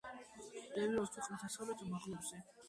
მდებარეობს ქვეყნის დასავლეთ მაღლობზე.